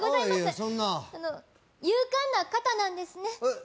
そんな勇敢な方なんですねえっ